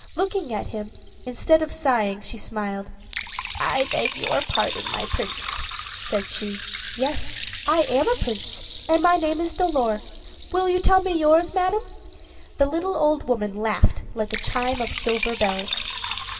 Looking at him, instead of sighing, she smiled. "I beg your pardon, my Prince," said she. "Yes, I am a prince, and my name is Dolor; will you tell me yours, madam?" The little old woman laughed like a chime of silver bells.